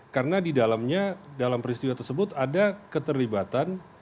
karena di dalamnya dalam peristiwa tersebut ada keterlibatan